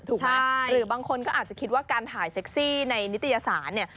ถูกไหมหรือบางคนก็อาจจะคิดว่าการถ่ายเซ็กซี่ในนิตยสารเนี่ย